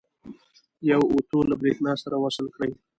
یو اوتو له برېښنا سره وصل کړئ.